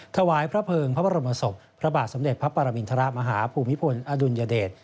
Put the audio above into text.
ถวายพระเภิงพระบรมศพพระบาทสมเด็จพระปรมินทรมาฮาภูมิพลอดุลยเดช